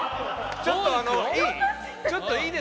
ちょっとあのいい？